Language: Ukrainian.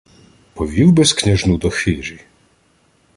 — Повів би-с княжну до хижі?